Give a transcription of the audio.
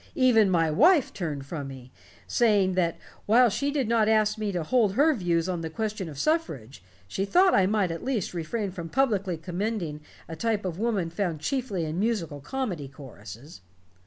Even my wife turned from me, saying that while she did not ask me to hold her views on the question of suffrage, she thought I might at least refrain from publicly commending a type of woman found chiefly in musical comedy choruses.